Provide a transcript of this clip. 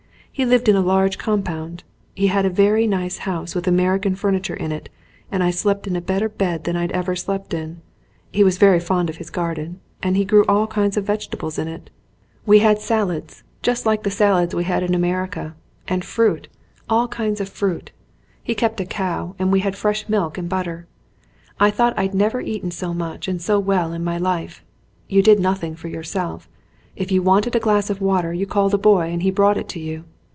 He lived in a large compound. He had a very nice house with American furniture in it and I slept in a better bed than I'd ever slept in. He was very fond of his garden and he grew all kinds of vege tables in it. We had salads just like the salads we had in America and fruit, all kinds of fruit; 83 ON A CHINESE SCEEEN he kept a cow and we had fresh milk and butter. I thought I'd never eaten so much and so well in my life. You did nothing for yourself. If you wanted a glass of water you called a boy and he brought it to you.